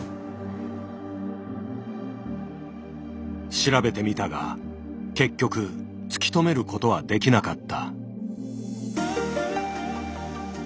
調べてみたが結局突き止めることはできなかった。